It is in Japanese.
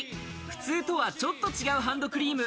普通とは、ちょっと違うハンドクリーム。